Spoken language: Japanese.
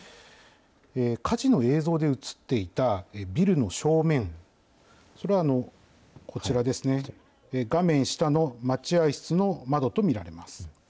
火事の映像で写っていたビルの正面、それはこちらですね、画面下の待合室の窓と見られます。